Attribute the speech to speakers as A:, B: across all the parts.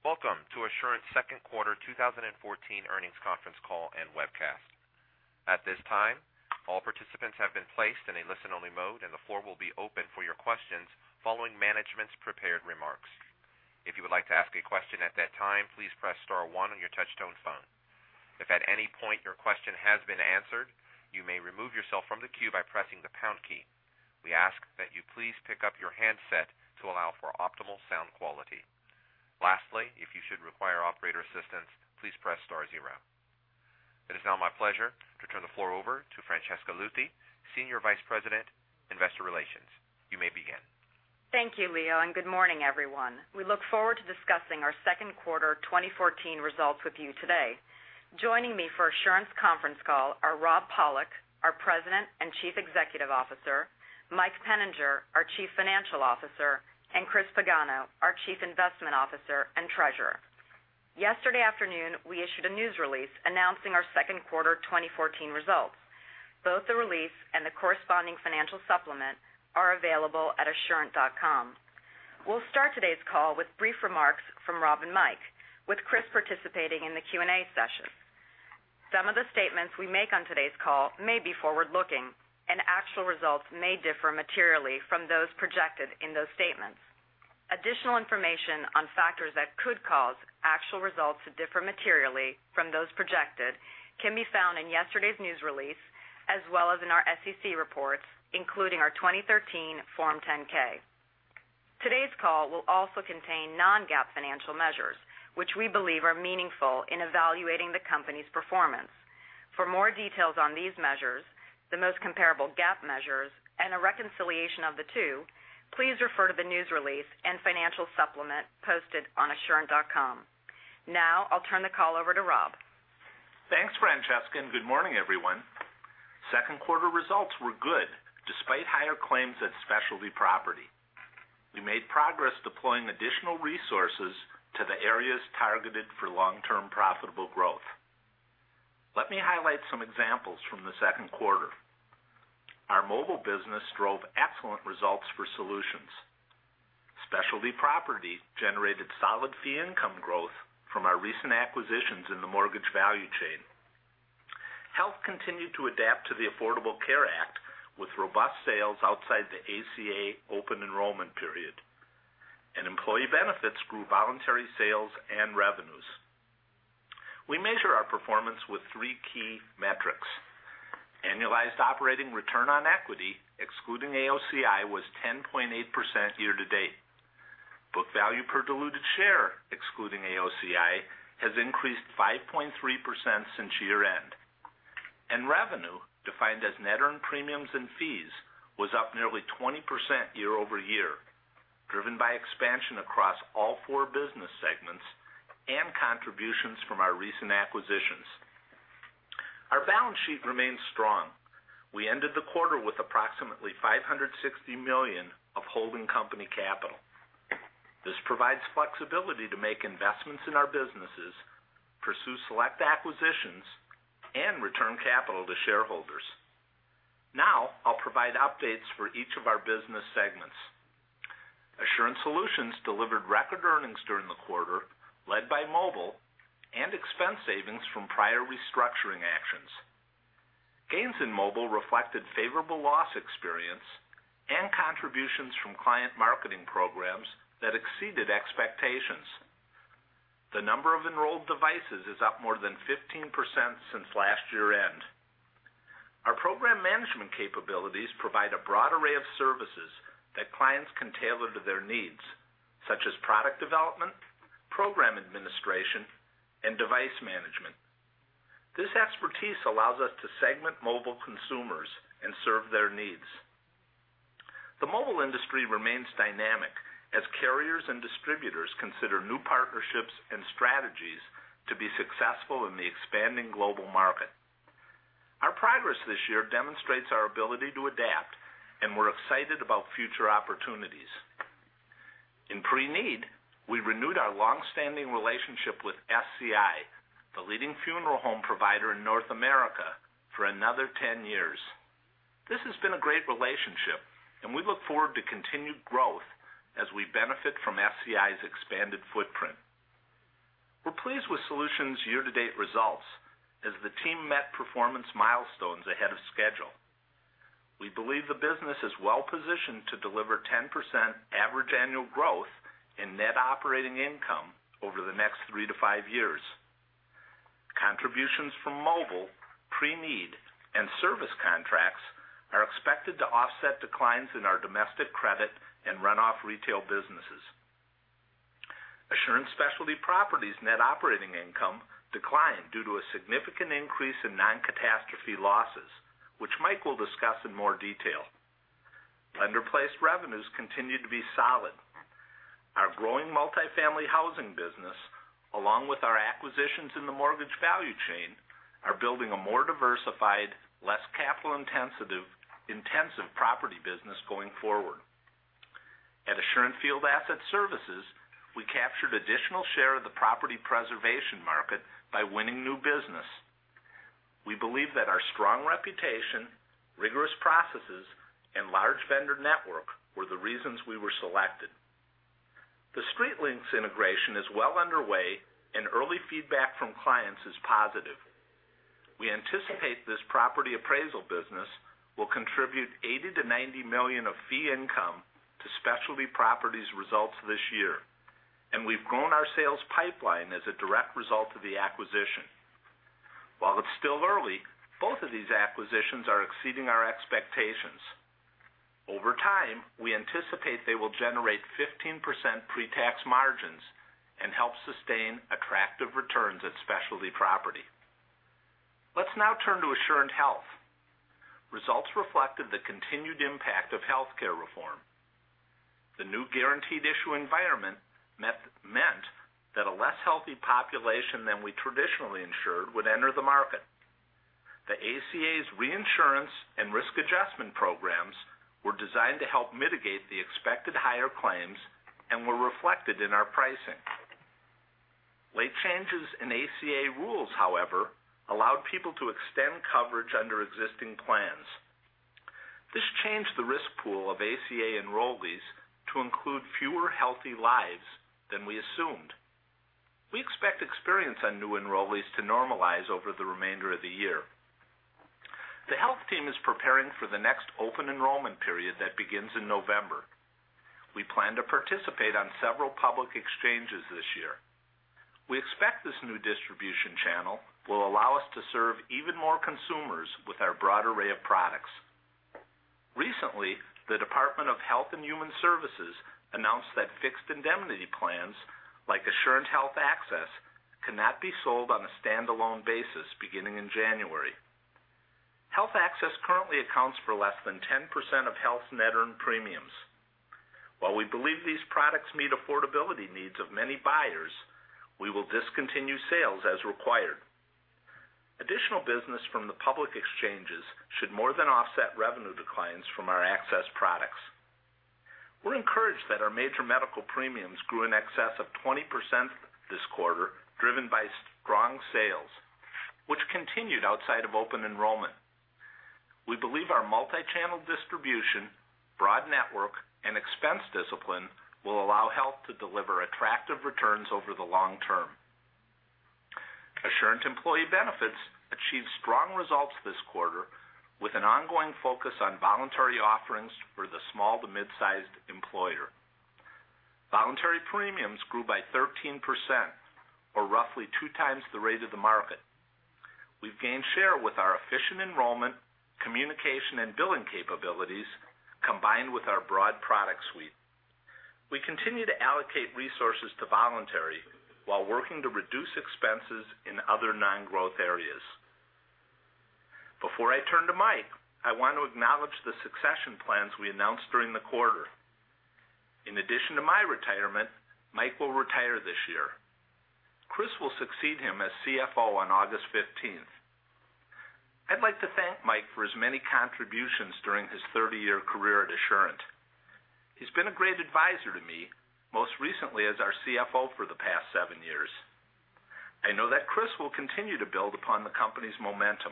A: Welcome to Assurant's second quarter 2014 earnings conference call and webcast. At this time, all participants have been placed in a listen-only mode, and the floor will be open for your questions following management's prepared remarks. If you would like to ask a question at that time, please press star one on your touch-tone phone. If at any point your question has been answered, you may remove yourself from the queue by pressing the pound key. We ask that you please pick up your handset to allow for optimal sound quality. Lastly, if you should require operator assistance, please press star zero. It is now my pleasure to turn the floor over to Francesca Luthi, Senior Vice President, Investor Relations. You may begin.
B: Thank you, Leo. Good morning, everyone. We look forward to discussing our second quarter 2014 results with you today. Joining me for Assurant's conference call are Rob Pollock, our President and Chief Executive Officer, Mike Peninger, our Chief Financial Officer, Chris Pagano, our Chief Investment Officer and Treasurer. Yesterday afternoon, we issued a news release announcing our second quarter 2014 results. Both the release and the corresponding financial supplement are available at assurant.com. We'll start today's call with brief remarks from Rob and Mike, with Chris participating in the Q&A session. Some of the statements we make on today's call may be forward-looking, actual results may differ materially from those projected in those statements. Additional information on factors that could cause actual results to differ materially from those projected can be found in yesterday's news release, as well as in our SEC reports, including our 2013 Form 10-K. Today's call will also contain non-GAAP financial measures, which we believe are meaningful in evaluating the company's performance. For more details on these measures, the most comparable GAAP measures, and a reconciliation of the two, please refer to the news release and financial supplement posted on assurant.com. I'll turn the call over to Rob.
C: Thanks, Francesca. Good morning, everyone. Second quarter results were good despite higher claims at Specialty Property. We made progress deploying additional resources to the areas targeted for long-term profitable growth. Let me highlight some examples from the second quarter. Our mobile business drove excellent results for Solutions. Specialty Property generated solid fee income growth from our recent acquisitions in the mortgage value chain. Health continued to adapt to the Affordable Care Act with robust sales outside the ACA open enrollment period. Employee Benefits grew voluntary sales and revenues. We measure our performance with three key metrics. Annualized operating return on equity, excluding AOCI, was 10.8% year to date. Book value per diluted share, excluding AOCI, has increased 5.3% since year-end. Revenue, defined as net earned premiums and fees, was up nearly 20% year-over-year, driven by expansion across all four business segments and contributions from our recent acquisitions. Our balance sheet remains strong. We ended the quarter with approximately $560 million of holding company capital. This provides flexibility to make investments in our businesses, pursue select acquisitions, and return capital to shareholders. Now, I'll provide updates for each of our business segments. Assurant Solutions delivered record earnings during the quarter, led by mobile and expense savings from prior restructuring actions. Gains in mobile reflected favorable loss experience and contributions from client marketing programs that exceeded expectations. The number of enrolled devices is up more than 15% since last year-end. Our program management capabilities provide a broad array of services that clients can tailor to their needs, such as product development, program administration, and device management. This expertise allows us to segment mobile consumers and serve their needs. The mobile industry remains dynamic as carriers and distributors consider new partnerships and strategies to be successful in the expanding global market. Our progress this year demonstrates our ability to adapt, and we're excited about future opportunities. In pre-need, we renewed our long-standing relationship with SCI, the leading funeral home provider in North America, for another 10 years. This has been a great relationship, and we look forward to continued growth as we benefit from SCI's expanded footprint. We're pleased with Solutions' year-to-date results, as the team met performance milestones ahead of schedule. We believe the business is well positioned to deliver 10% average annual growth in net operating income over the next three to five years. Contributions from mobile, pre-need, and service contracts are expected to offset declines in our domestic credit and run-off retail businesses. Assurant Specialty Property's net operating income declined due to a significant increase in non-catastrophe losses, which Mike will discuss in more detail. Lender-placed revenues continued to be solid. Our growing multi-family housing business, along with our acquisitions in the mortgage value chain, are building a more diversified, less capital-intensive property business going forward. At Assurant Field Asset Services, we captured additional share of the property preservation market by winning new business. We believe that our strong reputation, rigorous processes, and large vendor network were the reasons we were selected. The StreetLinks integration is well underway, and early feedback from clients is positive. We anticipate this property appraisal business will contribute $80 million to $90 million of fee income to Specialty Property's results this year, and we've grown our sales pipeline as a direct result of the acquisition. While it's still early, both of these acquisitions are exceeding our expectations. Over time, we anticipate they will generate 15% pre-tax margins and help sustain attractive returns at Specialty Property. Let's now turn to Assurant Health. Results reflected the continued impact of healthcare reform. The new guaranteed issue environment meant that a less healthy population than we traditionally insured would enter the market. The ACA's reinsurance and risk adjustment programs were designed to help mitigate the expected higher claims and were reflected in our pricing. Late changes in ACA rules, however, allowed people to extend coverage under existing plans. This changed the risk pool of ACA enrollees to include fewer healthy lives than we assumed. We expect experience on new enrollees to normalize over the remainder of the year. The health team is preparing for the next open enrollment period that begins in November. We plan to participate on several public exchanges this year. We expect this new distribution channel will allow us to serve even more consumers with our broad array of products. Recently, the Department of Health and Human Services announced that fixed indemnity plans like Assurant Health Access cannot be sold on a standalone basis beginning in January. Health Access currently accounts for less than 10% of Health's net earned premiums. While we believe these products meet affordability needs of many buyers, we will discontinue sales as required. Additional business from the public exchanges should more than offset revenue declines from our Access products. We're encouraged that our major medical premiums grew in excess of 20% this quarter, driven by strong sales, which continued outside of open enrollment. We believe our multi-channel distribution, broad network, and expense discipline will allow health to deliver attractive returns over the long term. Assurant Employee Benefits achieved strong results this quarter with an ongoing focus on voluntary offerings for the small to mid-sized employer. Voluntary premiums grew by 13%, or roughly two times the rate of the market. We've gained share with our efficient enrollment, communication, and billing capabilities, combined with our broad product suite. We continue to allocate resources to voluntary while working to reduce expenses in other non-growth areas. Before I turn to Mike, I want to acknowledge the succession plans we announced during the quarter. In addition to my retirement, Mike will retire this year. Chris will succeed him as CFO on August 15th. I'd like to thank Mike for his many contributions during his 30-year career at Assurant. He's been a great advisor to me, most recently as our CFO for the past seven years. I know that Chris will continue to build upon the company's momentum.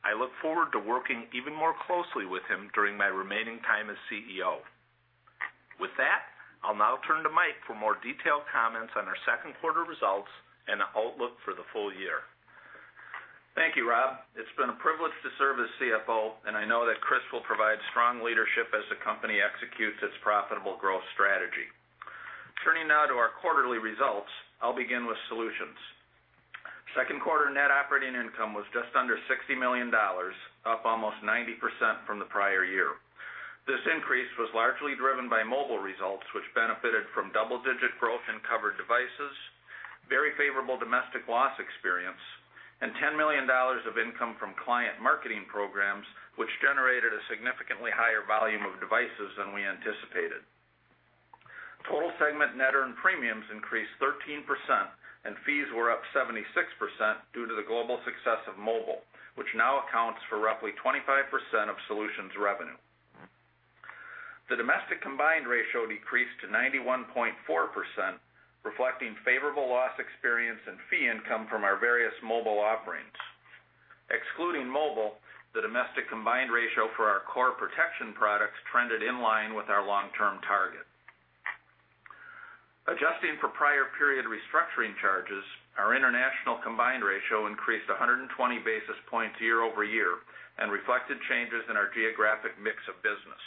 C: I look forward to working even more closely with him during my remaining time as CEO. With that, I'll now turn to Mike for more detailed comments on our second quarter results and outlook for the full year.
D: Thank you, Rob. It's been a privilege to serve as CFO, and I know that Chris will provide strong leadership as the company executes its profitable growth strategy. Turning now to our quarterly results, I'll begin with Solutions. Second quarter net operating income was just under $60 million, up almost 90% from the prior year. This increase was largely driven by mobile results, which benefited from double-digit growth in covered devices, very favorable domestic loss experience, and $10 million of income from client marketing programs, which generated a significantly higher volume of devices than we anticipated. Total segment net earned premiums increased 13%, and fees were up 76% due to the global success of mobile, which now accounts for roughly 25% of Solutions revenue. The domestic combined ratio decreased to 91.4%, reflecting favorable loss experience and fee income from our various mobile offerings. Excluding mobile, the domestic combined ratio for our core protection products trended in line with our long-term target. Adjusting for prior period restructuring charges, our international combined ratio increased 120 basis points year-over-year and reflected changes in our geographic mix of business.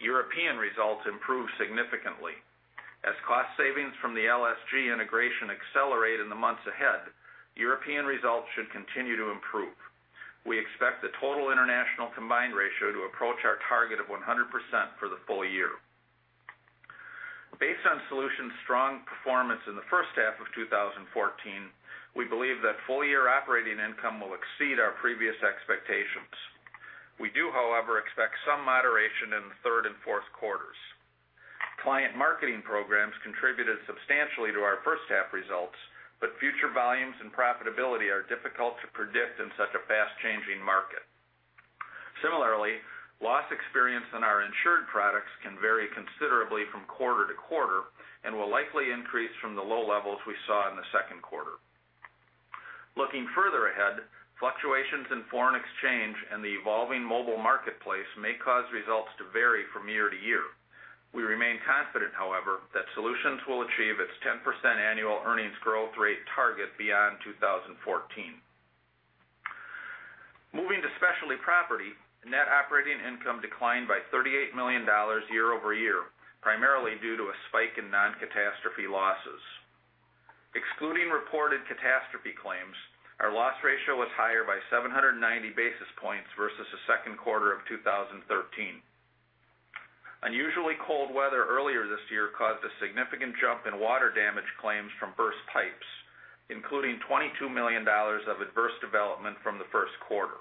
D: European results improved significantly. As cost savings from the LSG integration accelerate in the months ahead, European results should continue to improve. We expect the total international combined ratio to approach our target of 100% for the full year. Based on Solutions' strong performance in the first half of 2014, we believe that full-year operating income will exceed our previous expectations. We do, however, expect some moderation in the third and fourth quarters. Client marketing programs contributed substantially to our first half results, future volumes and profitability are difficult to predict in such a fast-changing market. Similarly, loss experience in our insured products can vary considerably from quarter-to-quarter and will likely increase from the low levels we saw in the second quarter. Looking further ahead, fluctuations in foreign exchange and the evolving mobile marketplace may cause results to vary from year-to-year. We remain confident, however, that Solutions will achieve its 10% annual earnings growth rate target beyond 2014. Moving to Specialty Property, net operating income declined by $38 million year-over-year, primarily due to a spike in non-catastrophe losses. Excluding reported catastrophe claims, our loss ratio was higher by 790 basis points versus the second quarter of 2013. Unusually cold weather earlier this year caused a significant jump in water damage claims from burst pipes, including $22 million of adverse development from the first quarter.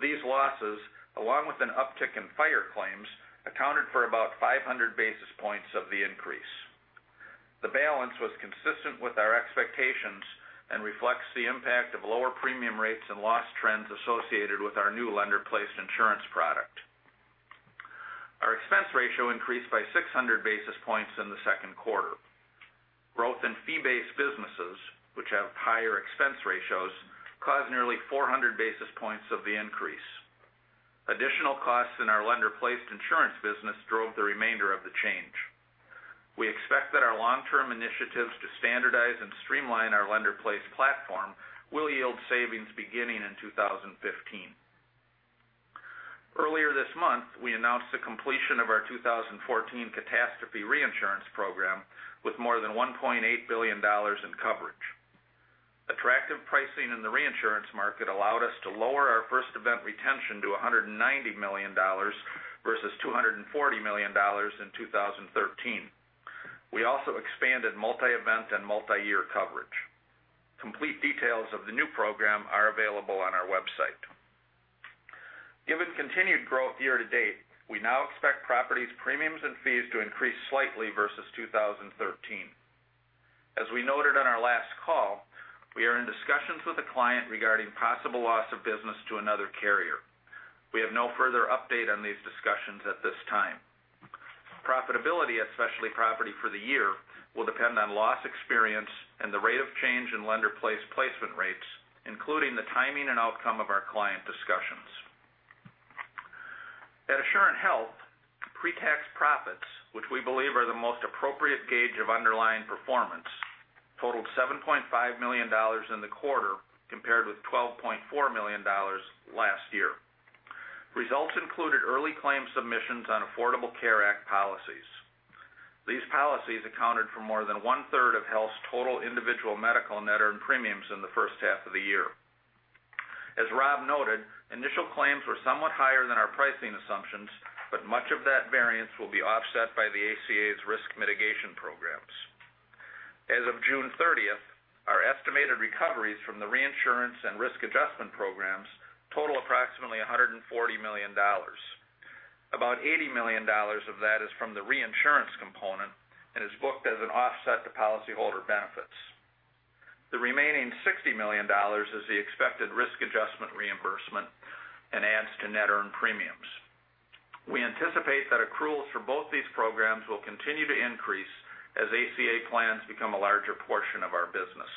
D: These losses, along with an uptick in fire claims, accounted for about 500 basis points of the increase. The balance was consistent with our expectations and reflects the impact of lower premium rates and loss trends associated with our new lender-placed insurance product. Our expense ratio increased by 600 basis points in the second quarter. Growth in fee-based businesses, which have higher expense ratios, caused nearly 400 basis points of the increase. Additional costs in our lender-placed insurance business drove the remainder of the change. We expect that our long-term initiatives to standardize and streamline our lender-placed platform will yield savings beginning in 2015. Earlier this month, we announced the completion of our 2014 catastrophe reinsurance program with more than $1.8 billion in coverage. Attractive pricing in the reinsurance market allowed us to lower our first event retention to $190 million versus $240 million in 2013. We also expanded multi-event and multi-year coverage. Complete details of the new program are available on our website. Given continued growth year-to-date, we now expect Properties, premiums, and fees to increase slightly versus 2013. As we noted on our last call, we are in discussions with a client regarding possible loss of business to another carrier. We have no further update on these discussions at this time. Profitability at Specialty Property for the year will depend on loss experience and the rate of change in lender-placed placement rates, including the timing and outcome of our client discussions. At Assurant Health, pre-tax profits, which we believe are the most appropriate gauge of underlying performance, totaled $7.5 million in the quarter, compared with $12.4 million last year. Results included early claim submissions on Affordable Care Act policies. These policies accounted for more than one-third of Health's total individual medical net earned premiums in the first half of the year. As Rob noted, initial claims were somewhat higher than our pricing assumptions, but much of that variance will be offset by the ACA's risk mitigation programs. As of June 30th, our estimated recoveries from the reinsurance and risk adjustment programs total approximately $140 million. About $80 million of that is from the reinsurance component and is booked as an offset to policyholder benefits. The remaining $60 million is the expected risk adjustment reimbursement and adds to net earned premiums. We anticipate that accruals for both these programs will continue to increase as ACA plans become a larger portion of our business.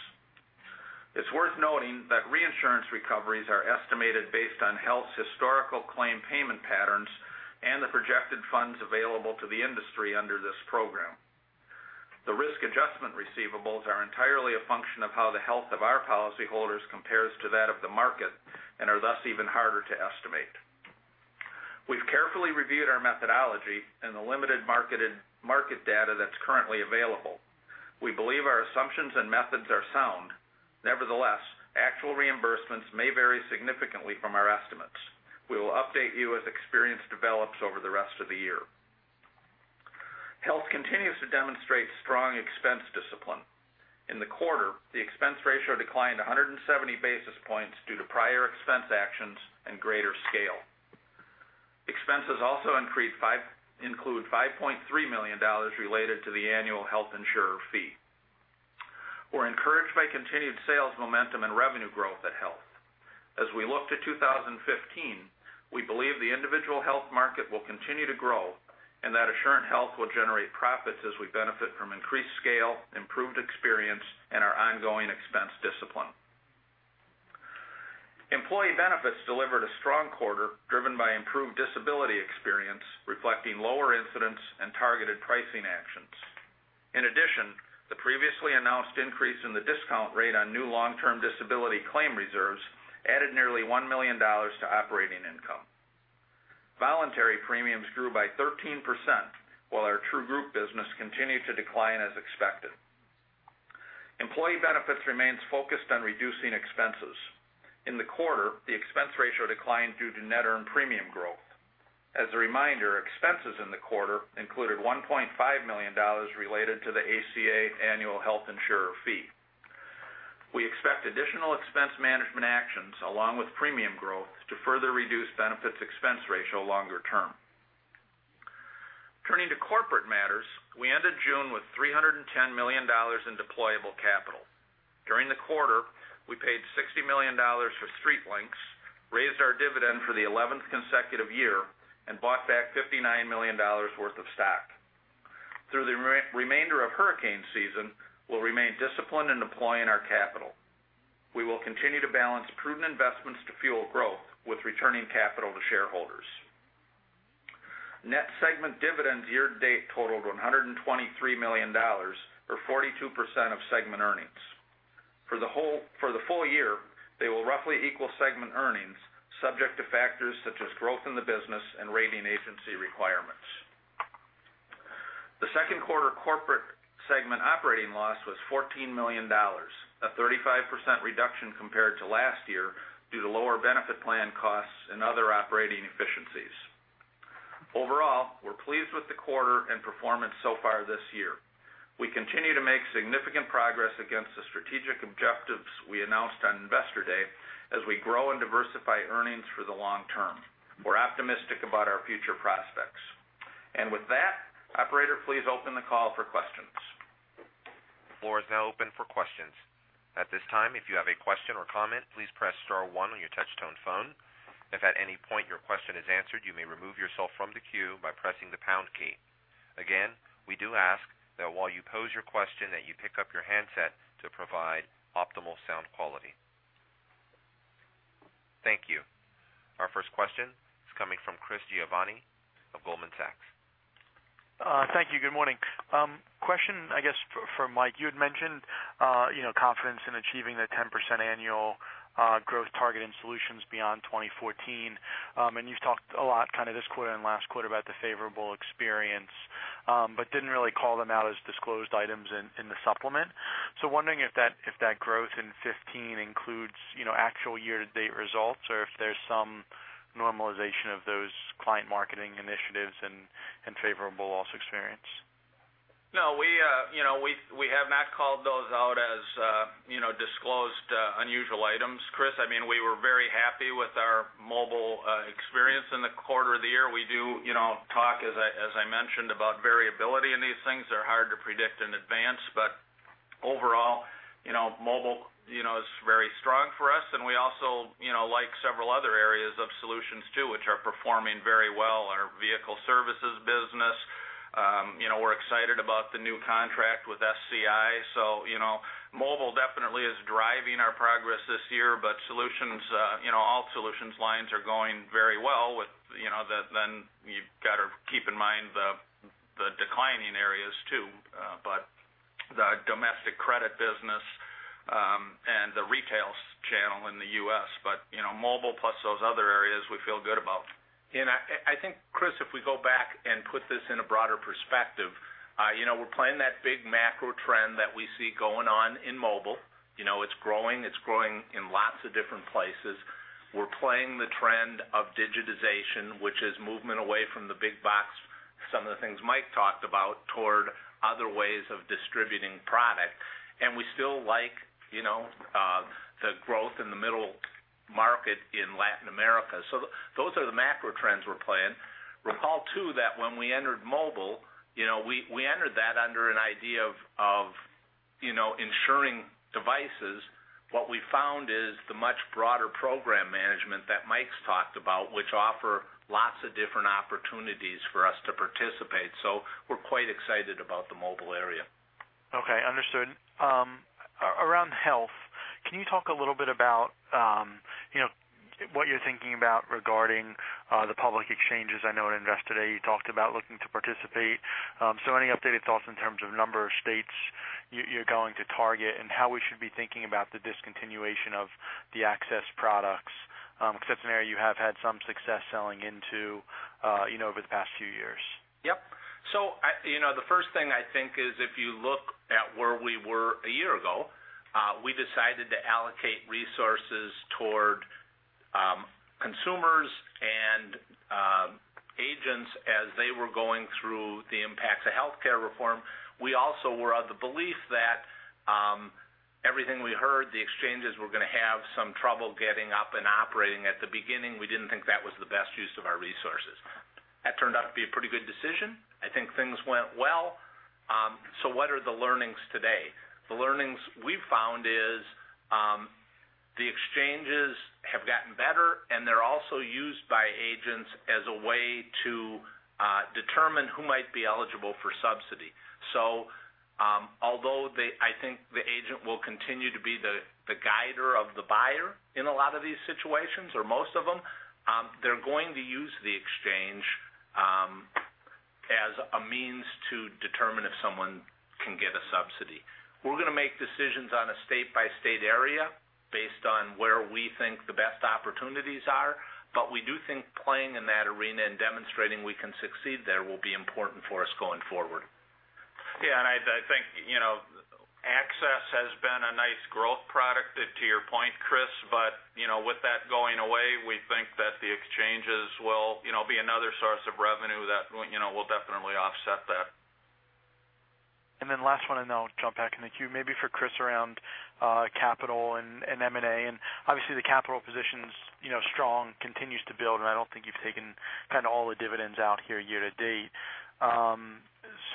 D: It's worth noting that reinsurance recoveries are estimated based on Health's historical claim payment patterns and the projected funds available to the industry under this program. The risk adjustment receivables are entirely a function of how the health of our policyholders compares to that of the market and are thus even harder to estimate. We've carefully reviewed our methodology and the limited market data that's currently available. We believe our assumptions and methods are sound. Nevertheless, actual reimbursements may vary significantly from our estimates. We will update you as experience develops over the rest of the year. Health continues to demonstrate strong expense discipline. In the quarter, the expense ratio declined 170 basis points due to prior expense actions and greater scale. Expenses also include $5.3 million related to the annual health insurer fee. We're encouraged by continued sales momentum and revenue growth at Health. As we look to 2015, we believe the individual health market will continue to grow, and that Assurant Health will generate profits as we benefit from increased scale, improved experience, and our ongoing expense discipline. Employee Benefits delivered a strong quarter, driven by improved disability experience, reflecting lower incidents and targeted pricing actions. In addition, the previously announced increase in the discount rate on new long-term disability claim reserves added nearly $1 million to operating income. Voluntary premiums grew by 13%, while our true group business continued to decline as expected. Employee Benefits remains focused on reducing expenses. In the quarter, the expense ratio declined due to net earned premium growth. As a reminder, expenses in the quarter included $1.5 million related to the ACA annual health insurer fee. We expect additional expense management actions, along with premium growth, to further reduce Benefits expense ratio longer term. Turning to corporate matters, we ended June with $310 million in deployable capital. During the quarter, we paid $60 million for StreetLinks, raised our dividend for the 11th consecutive year, and bought back $59 million worth of stock. Through the remainder of hurricane season, we'll remain disciplined in deploying our capital. We will continue to balance prudent investments to fuel growth with returning capital to shareholders. Net segment dividends year to date totaled $123 million, or 42% of segment earnings. For the full year, they will roughly equal segment earnings subject to factors such as growth in the business and rating agency requirements. The second quarter corporate segment operating loss was $14 million, a 35% reduction compared to last year due to lower benefit plan costs and other operating efficiencies. Overall, we're pleased with the quarter and performance so far this year. We continue to make significant progress against the strategic objectives we announced on Investor Day, as we grow and diversify earnings for the long term. We're optimistic about our future prospects. With that, operator, please open the call for questions.
A: Floor is now open for questions. At this time, if you have a question or comment, please press star one on your touch-tone phone. If at any point your question is answered, you may remove yourself from the queue by pressing the pound key. Again, we do ask that while you pose your question, that you pick up your handset to provide optimal sound quality. Thank you. Our first question is coming from Chris Giovanni of Goldman Sachs.
E: Thank you. Good morning. Question, I guess, for Mike. You had mentioned confidence in achieving the 10% annual growth target in Solutions beyond 2014. You've talked a lot this quarter and last quarter about the favorable experience, but didn't really call them out as disclosed items in the supplement. Wondering if that growth in 2015 includes actual year-to-date results or if there's some normalization of those client marketing initiatives and favorable loss experience?
D: No, we have not called those out as disclosed unusual items, Chris. We were very happy with our mobile experience in the quarter of the year. We do talk, as I mentioned, about variability in these things. They're hard to predict in advance, but overall, mobile is very strong for us, and we also like several other areas of Solutions, too, which are performing very well. Our vehicle services business. We're excited about the new contract with SCI. Mobile definitely is driving our progress this year, but all Solutions lines are going very well, you've got to keep in mind the declining areas, too, but the domestic credit business and the retail channel in the U.S., but mobile plus those other areas we feel good about.
C: I think, Chris, if we go back and put this in a broader perspective, we're playing that big macro trend that we see going on in mobile. It's growing in lots of different places. We're playing the trend of digitization, which is movement away from the big box, some of the things Mike talked about, toward other ways of distributing product. We still like the growth in the middle market in Latin America. Those are the macro trends we're playing. Recall, too, that when we entered mobile, we entered that under an idea of ensuring devices. What we found is the much broader program management that Mike's talked about, which offer lots of different opportunities for us to participate. We're quite excited about the mobile area.
E: Okay. Understood. Around Health, can you talk a little bit about what you're thinking about regarding the public exchanges? I know at Investor Day, you talked about looking to participate. Any updated thoughts in terms of number of states you're going to target and how we should be thinking about the discontinuation of the Access products? Because that's an area you have had some success selling into over the past few years.
C: Yep. The first thing I think is if you look at where we were a year ago, we decided to allocate resources toward consumers and agents as they were going through the impacts of healthcare reform. We also were of the belief that everything we heard, the exchanges were going to have some trouble getting up and operating at the beginning. We didn't think that was the best use of our resources. That turned out to be a pretty good decision. I think things went well. What are the learnings today? The learnings we've found is the exchanges have gotten better, and they're also used by agents as a way to determine who might be eligible for subsidy.
D: Although I think the agent will continue to be the guider of the buyer in a lot of these situations, or most of them, they're going to use the exchange as a means to determine if someone can get a subsidy. We're going to make decisions on a state-by-state area based on where we think the best opportunities are, but we do think playing in that arena and demonstrating we can succeed there will be important for us going forward. Yeah, I think Access has been a nice growth product, to your point, Chris. With that going away, we think that the exchanges will be another source of revenue that will definitely offset that.
E: Last one, I'll jump back in the queue, maybe for Chris around capital and M&A. Obviously the capital position's strong, continues to build. I don't think you've taken all the dividends out here year-to-date.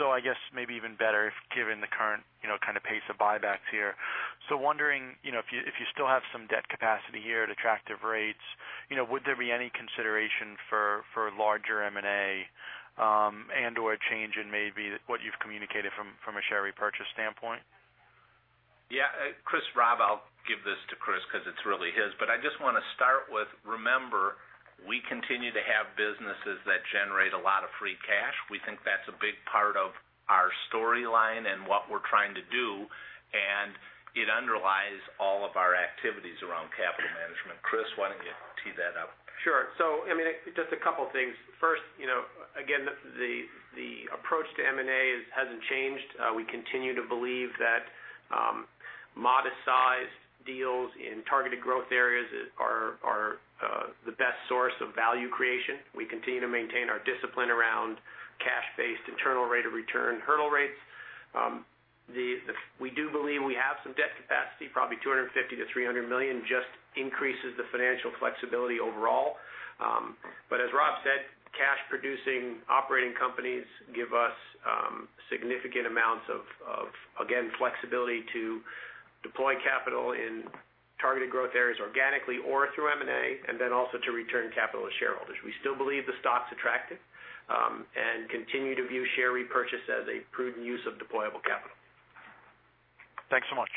E: I guess maybe even better if given the current pace of buybacks here. Wondering, if you still have some debt capacity here at attractive rates, would there be any consideration for larger M&A, and/or a change in maybe what you've communicated from a share repurchase standpoint?
D: Yeah. Chris, Rob, I'll give this to Chris because it's really his, but I just want to start with, remember, we continue to have businesses that generate a lot of free cash. We think that's a big part of our storyline and what we're trying to do. It underlies all of our activities around capital management. Chris, why don't you tee that up?
F: Sure. Just a couple of things. First, again, the approach to M&A hasn't changed. We continue to believe that modest-sized deals in targeted growth areas are the best source of value creation. We continue to maintain our discipline around cash-based internal rate of return hurdle rates. We do believe we have some debt capacity, probably $250 million-$300 million, just increases the financial flexibility overall. As Rob said, cash-producing operating companies give us significant amounts of, again, flexibility to deploy capital in targeted growth areas organically or through M&A, and also to return capital to shareholders. We still believe the stock's attractive, and continue to view share repurchase as a prudent use of deployable capital.
E: Thanks so much.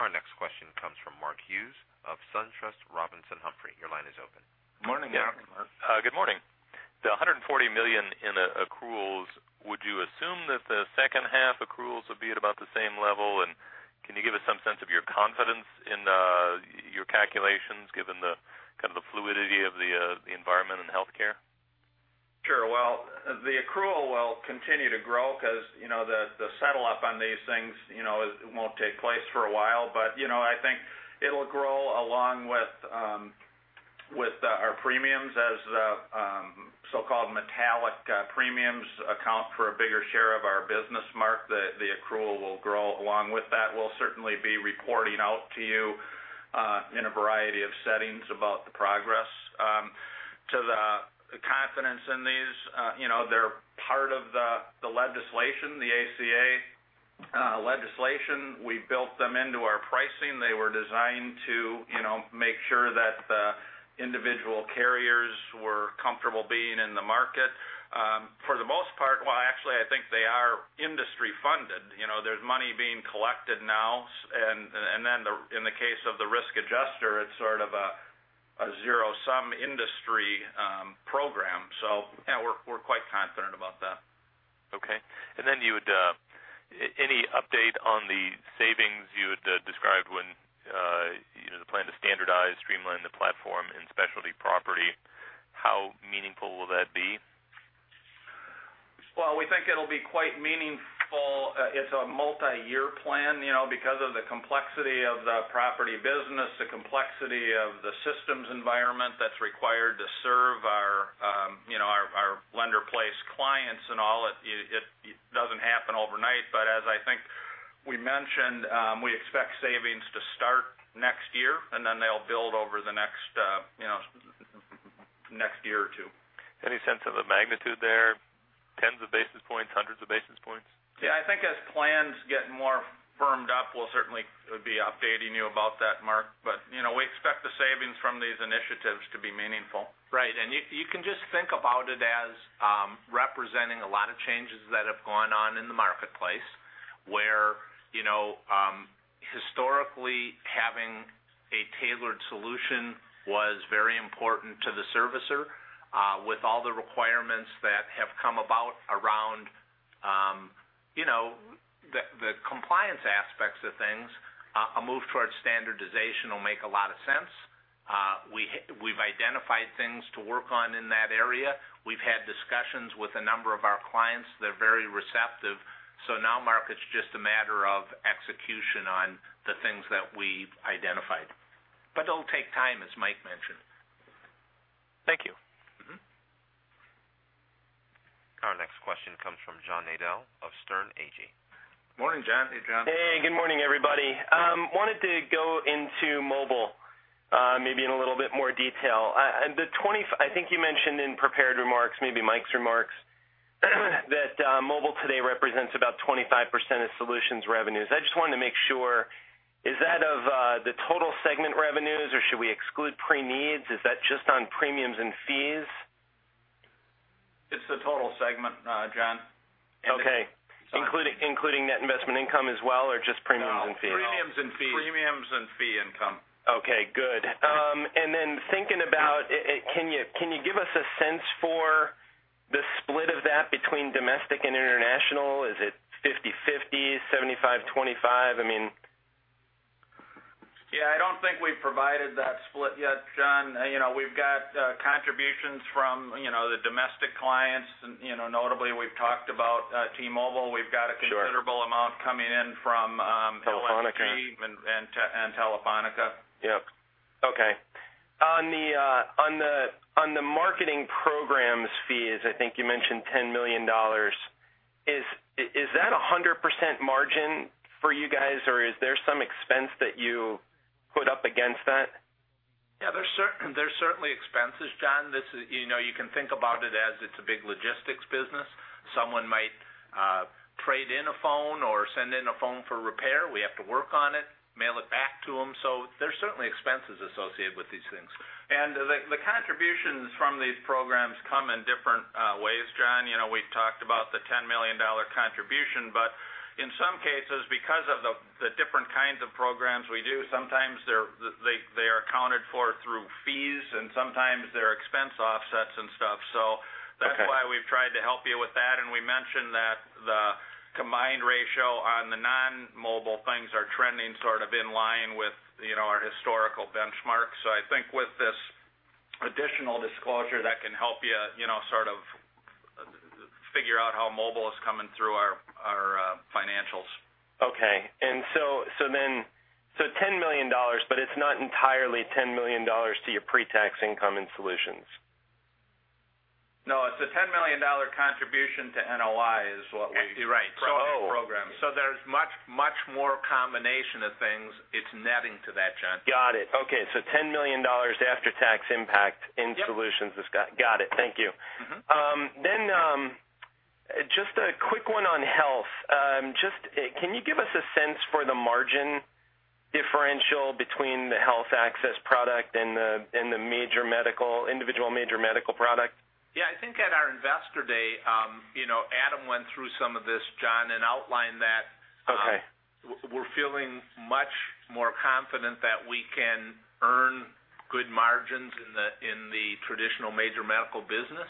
A: Our next question comes from Mark Hughes of SunTrust Robinson Humphrey. Your line is open.
C: Morning, Mark. Yeah.
G: Good morning. The $140 million in accruals, would you assume that the second half accruals would be at about the same level? Can you give us some sense of your confidence in your calculations, given the fluidity of the environment in healthcare?
D: Sure. Well, the accrual will continue to grow because the settle-up on these things won't take place for a while. I think it'll grow along with our premiums as the so-called metallic premiums account for a bigger share of our business, Mark. The accrual will grow along with that. We'll certainly be reporting out to you in a variety of settings about the progress. To the confidence in these, they're part of the legislation, the ACA legislation. We built them into our pricing. They were designed to make sure that the individual carriers were comfortable being in the market. For the most part, well, actually, I think they are industry funded. There's money being collected now, in the case of the risk adjuster, it's sort of a zero-sum industry program. Yeah, we're quite confident about that.
G: Okay. Then any update on the savings you had described when the plan to standardize, streamline the platform in Assurant Specialty Property, how meaningful will that be?
D: Well, we think it'll be quite meaningful. It's a multi-year plan, because of the complexity of the property business, the complexity of the systems environment that's required to serve our lender-placed clients and all. It doesn't happen overnight, but as I think we mentioned, we expect savings to start next year, and then they'll build over the next year or two.
G: Any sense of the magnitude there? Tens of basis points, hundreds of basis points?
D: Yeah, I think as plans get more firmed up, we'll certainly be updating you about that, Mark. We expect the savings from these initiatives to be meaningful.
F: Right. You can just think about it as representing a lot of changes that have gone on in the marketplace, where historically, having a tailored solution was very important to the servicer. With all the requirements that have come about around the compliance aspects of things, a move towards standardization will make a lot of sense. We've identified things to work on in that area. We've had discussions with a number of our clients. They're very receptive. Now, Mark, it's just a matter of execution on the things that we've identified. It'll take time, as Mike mentioned.
G: Thank you.
A: Our next question comes from John Nadel of Sterne Agee.
D: Morning, John.
F: Hey, John.
H: Hey, good morning, everybody. I wanted to go into mobile maybe in a little bit more detail. I think you mentioned in prepared remarks, maybe Mike's remarks, that mobile today represents about 25% of Solutions revenues. I just wanted to make sure, is that of the total segment revenues, or should we exclude pre-needs? Is that just on premiums and fees?
D: It's the total segment, John.
H: Okay. Including net investment income as well, or just premiums and fees?
F: No.
D: Premiums and fees.
F: Premiums and fee income.
H: Okay, good. Then thinking about, can you give us a sense for the split of that between domestic and international? Is it 50/50, 75/25? I mean
D: Yeah, I don't think we've provided that split yet, John. We've got contributions from the domestic clients. Notably, we've talked about T-Mobile. We've got a considerable amount coming in from Lifestyle Services Group.
F: Telefonica
D: Telefonica.
H: Yep. Okay. On the marketing programs fees, I think you mentioned $10 million. Is that 100% margin for you guys, or is there some expense that you put up against that?
D: Yeah, there's certainly expenses, John. You can think about it as it's a big logistics business. Someone might trade in a phone or send in a phone for repair. We have to work on it, mail it back to them. There's certainly expenses associated with these things. The contributions from these programs come in different ways, John. We've talked about the $10 million contribution, but in some cases, because of the different kinds of programs we do, sometimes they are accounted for through fees, and sometimes they're expense offsets and stuff.
H: Okay.
D: That's why we've tried to help you with that. We mentioned that the combined ratio on the non-mobile things are trending sort of in line with our historical benchmarks. I think with this additional disclosure, that can help you sort of figure out how mobile is coming through our financials.
H: Okay. $10 million, but it's not entirely $10 million to your pre-tax income in Solutions?
D: No, it's a $10 million contribution to NOI. You're right. Oh programs. There's much more combination of things. It's netting to that, John.
H: Got it. Okay, $10 million after-tax impact in Solutions.
D: Yep.
H: Got it. Thank you. Just a quick one on Assurant Health. Can you give us a sense for the margin differential between the Assurant Health Access product and the individual major medical product?
D: Yeah. I think at our Investor Day, Adam went through some of this, John, and outlined that.
H: Okay
D: We're feeling much more confident that we can earn good margins in the traditional major medical business.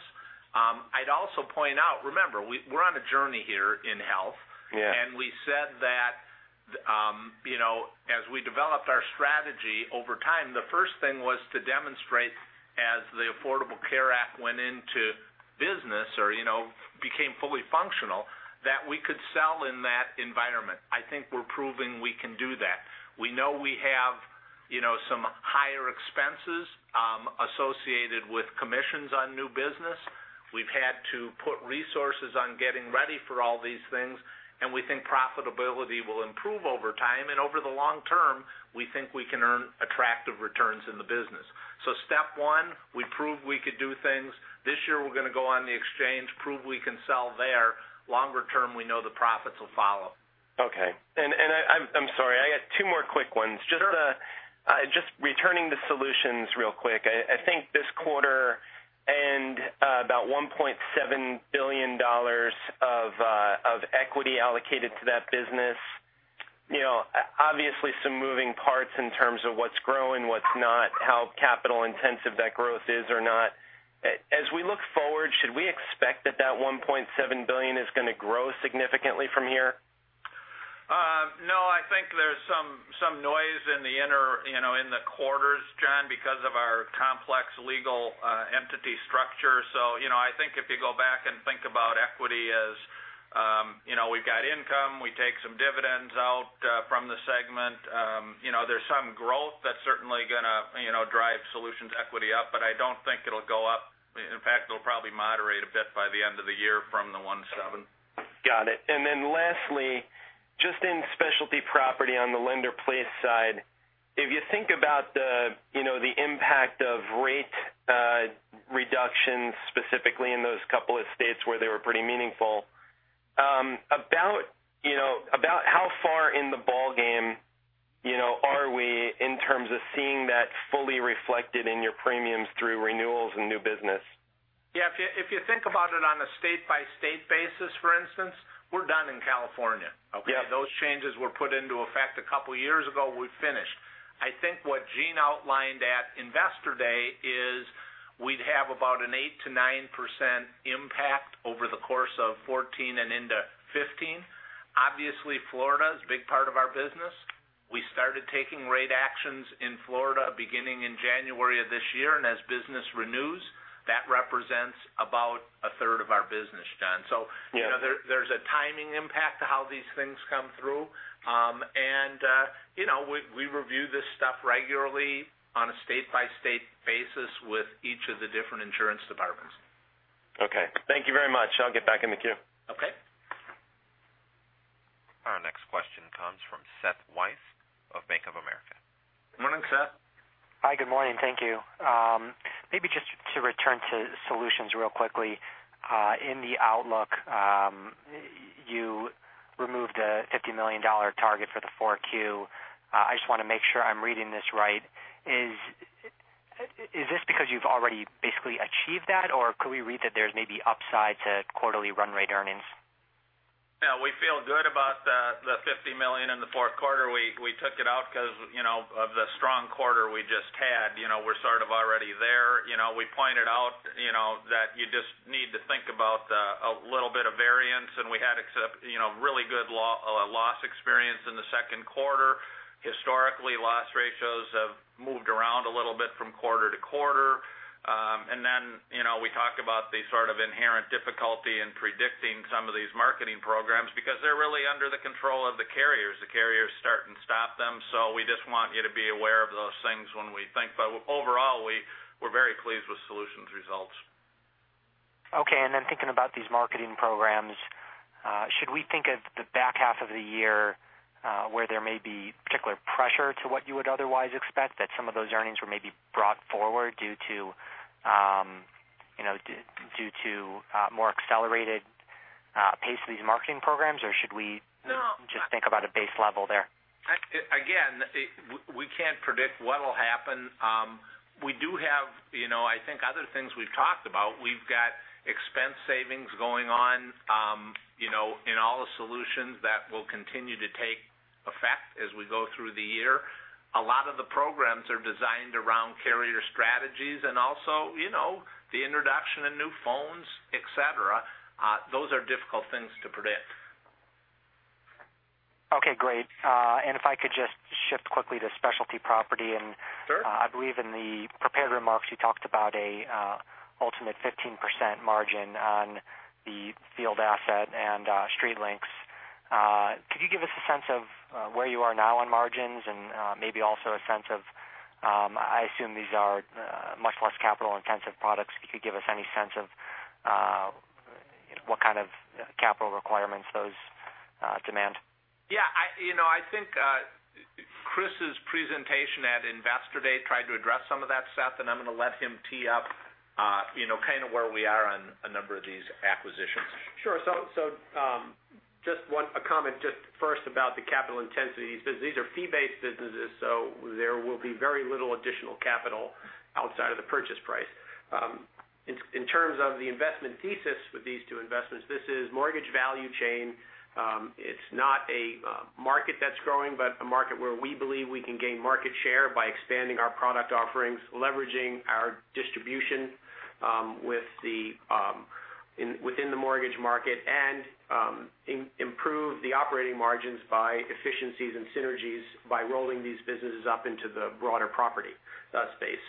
D: I'd also point out, remember, we're on a journey here in Health.
H: Yeah.
D: We said that as we developed our strategy over time, the first thing was to demonstrate, as the Affordable Care Act went into business or became fully functional, that we could sell in that environment. I think we're proving we can do that. We know we have some higher expenses associated with commissions on new business. We've had to put resources on getting ready for all these things, we think profitability will improve over time, and over the long term, we think we can earn attractive returns in the business. Step 1, we proved we could do things. This year we're going to go on the exchange, prove we can sell there. Longer term, we know the profits will follow.
H: Okay. I'm sorry, I got two more quick ones.
D: Sure.
H: Just returning to Solutions real quick, I think this quarter and about $1.7 billion of equity allocated to that business, obviously some moving parts in terms of what's growing, what's not, how capital-intensive that growth is or not. As we look forward, should we expect that that $1.7 billion is going to grow significantly from here?
D: I think there's some noise in the quarters, John, because of our complex legal entity structure. I think if you go back and think about equity as we've got income, we take some dividends out from the segment. There's some growth that's certainly going to drive Solutions equity up, but I don't think it'll go up. In fact, it'll probably moderate a bit by the end of the year from the $1.7.
H: Got it. Lastly, just in Specialty Property on the lender-placed side, if you think about the impact of rate reductions, specifically in those couple of states where they were pretty meaningful, about how far in the ballgame are we in terms of seeing that fully reflected in your premiums through renewals and new business?
D: If you think about it on a state-by-state basis, for instance, we're done in California.
H: Okay.
D: Those changes were put into effect a couple of years ago. We've finished. I think what Gene outlined at Investor Day is we'd have about an 8%-9% impact over the course of 2014 and into 2015. Florida is a big part of our business. We started taking rate actions in Florida beginning in January of this year, and as business renews, that represents about a third of our business, John.
H: Yeah.
D: There's a timing impact to how these things come through. We review this stuff regularly on a state-by-state basis with each of the different insurance departments.
H: Okay. Thank you very much. I'll get back in the queue.
D: Okay.
A: Our next question comes from Seth Weiss of Bank of America.
D: Morning, Seth.
I: Hi. Good morning. Thank you. Maybe just to return to Assurant Solutions real quickly. In the outlook, you removed a $50 million target for the 4Q. I just want to make sure I'm reading this right. Is this because you've already basically achieved that, or could we read that there's maybe upside to quarterly run rate earnings?
D: No, we feel good about the $50 million in the fourth quarter. We took it out because of the strong quarter we just had. We're sort of already there. We pointed out that you just need to think about a little bit of variance, and we had really good loss experience in the second quarter. Historically, loss ratios have moved around a little bit from quarter to quarter. We talked about the sort of inherent difficulty in predicting some of these marketing programs because they're really under the control of the carriers. The carriers start and stop them. We just want you to be aware of those things when we think. Overall, we're very pleased with Assurant Solutions results.
I: Okay, thinking about these marketing programs, should we think of the back half of the year where there may be particular pressure to what you would otherwise expect, that some of those earnings were maybe brought forward due to more accelerated pace of these marketing programs? Or should we-
D: No
I: just think about a base level there?
D: We can't predict what'll happen. We do have, I think other things we've talked about, we've got expense savings going on in all the Assurant Solutions that will continue to take effect as we go through the year. A lot of the programs are designed around carrier strategies and also the introduction of new phones, et cetera. Those are difficult things to predict.
I: Okay, great. If I could just shift quickly to Assurant Specialty Property.
D: Sure
I: I believe in the prepared remarks, you talked about an ultimate 15% margin on the Field Asset Services and StreetLinks. Could you give us a sense of where you are now on margins and maybe also a sense of, I assume these are much less capital-intensive products. Could you give us any sense of what kind of capital requirements those demand?
D: Yeah. I think Chris' presentation at Investor Day tried to address some of that, Seth, and I'm going to let him tee up kind of where we are on a number of these acquisitions.
F: Sure. Just one comment first about the capital intensity. These are fee-based businesses, so there will be very little additional capital outside of the purchase price. In terms of the investment thesis with these two investments, this is mortgage value chain. It's not a market that's growing, but a market where we believe we can gain market share by expanding our product offerings, leveraging our distribution within the mortgage market, and improve the operating margins by efficiencies and synergies by rolling these businesses up into the broader property, that space.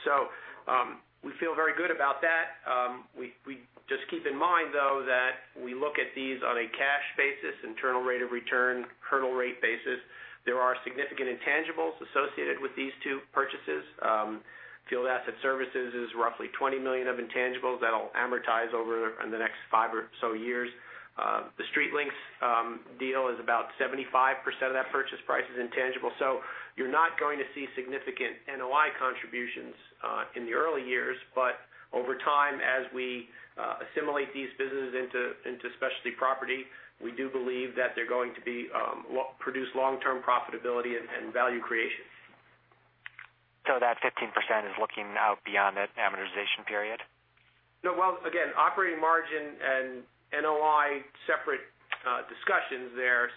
F: We feel very good about that. Just keep in mind though, that we look at these on a cash basis, internal rate of return, hurdle rate basis. There are significant intangibles associated with these two purchases. Field Asset Services is roughly $20 million of intangibles that'll amortize over in the next five or so years. The StreetLinks deal is about 75% of that purchase price is intangible. You're not going to see significant NOI contributions in the early years, but over time, as we assimilate these businesses into Specialty Property, we do believe that they're going to produce long-term profitability and value creation.
I: That 15% is looking out beyond that amortization period?
F: No. Well, again, operating margin and NOI, separate discussions there.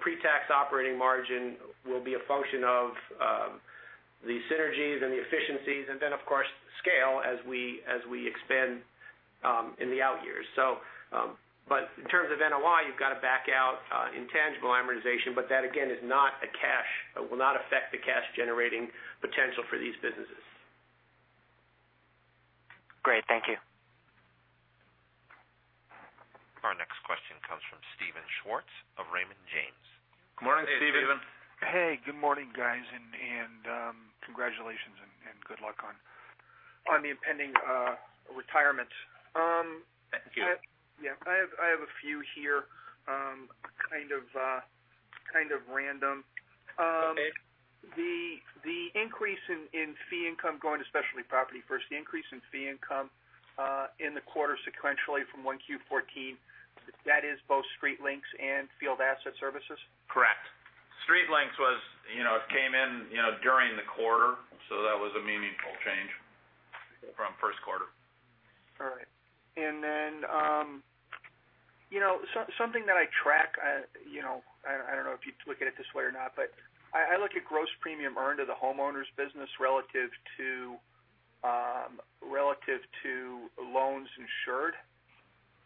F: Pre-tax operating margin will be a function of the synergies and the efficiencies, and then of course, scale as we expand in the out years. In terms of NOI, you've got to back out intangible amortization, that again, will not affect the cash-generating potential for these businesses.
I: Great. Thank you.
A: Our next question comes from Steven Schwartz of Raymond James.
C: Good morning, Steven. Hey, Steven.
J: Good morning, guys, and congratulations and good luck on the impending retirement.
D: Thank you.
J: Yeah. I have a few here, kind of random.
D: Okay.
J: The increase in fee income going to Specialty Property. First, the increase in fee income in the quarter sequentially from 1Q14, that is both StreetLinks and Field Asset Services?
F: Correct.
D: StreetLinks came in during the quarter, so that was a meaningful change from first quarter.
J: All right. Then, something that I track, I don't know if you look at it this way or not, but I look at gross premium earned of the homeowners business relative to loans insured.